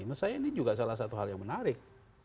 menurut saya ini juga salah satu hal yang menarik